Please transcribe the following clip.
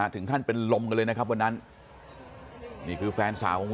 ถึงท่านเป็นลมกันเลยนะครับวันนั้น